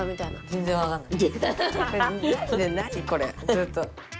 ずっと。